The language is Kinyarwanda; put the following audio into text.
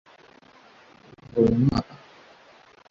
Kuva mu mwaka wa